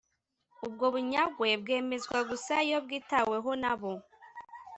ubwo bunyagwe bwemezwa gusa iyo bwitaweho na bo